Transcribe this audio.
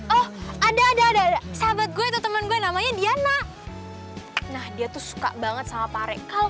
oh ada ada ada sahabat gue itu temen gue namanya diana nah dia tuh suka banget sama pare kalau